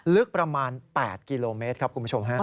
ลึกประมาณ๘กิโลเมตรครับคุณผู้ชมฮะ